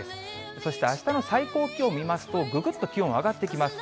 そしてあしたの最高気温を見ますと、ぐぐっと気温上がっていきます。